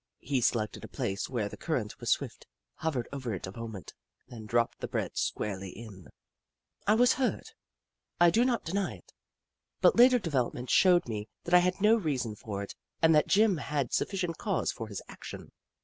He selected a place where the current was swift, hovered over it a moment, then dropped the bread squarely in. I was hurt — I do not deny it, but later de velopments showed me that I had no reason for it and that Jim had sufficient cause for his action.